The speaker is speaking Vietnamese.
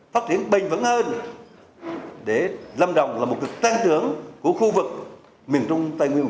phát triển bình vẫn hơn